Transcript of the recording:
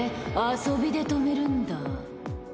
遊びで泊めるんだ。